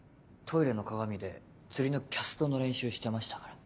トイレの鏡で釣りのキャストの練習してましたから。